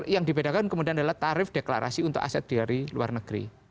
yang dibedakan kemudian adalah tarif deklarasi untuk aset dari luar negeri